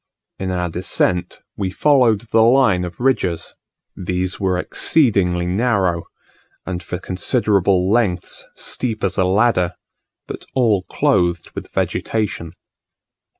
In our descent we followed the line of ridges; these were exceedingly narrow, and for considerable lengths steep as a ladder; but all clothed with vegetation.